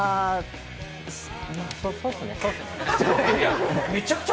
そうですね。